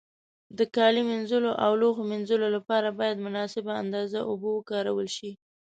د کالي مینځلو او لوښو مینځلو له پاره باید مناسبه اندازه اوبو وکارول شي.